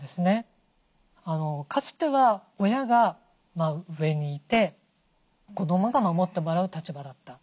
かつては親が上にいて子どもが守ってもらう立場だった。